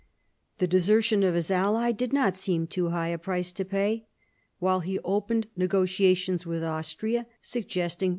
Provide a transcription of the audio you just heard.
The desertion of his ally did not seem to him too high a price to pay. While he opened negotiations with Austria, suggesting